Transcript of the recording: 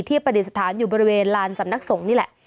ปฏิสถานอยู่บริเวณลานสำนักสงฆ์นี่แหละ